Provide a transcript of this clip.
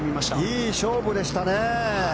いい勝負でしたね。